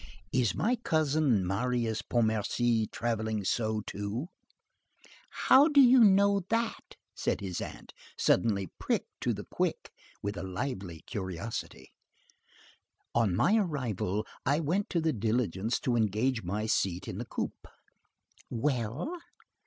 "Is my cousin Marius Pontmercy travelling so, too?" "How do you know that?" said his aunt, suddenly pricked to the quick with a lively curiosity. "On my arrival, I went to the diligence to engage my seat in the coupé." "Well?"